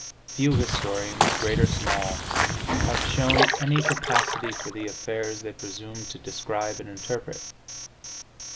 Few historians, great or small, have shown any capacity for the affairs they presume to describe and interpret.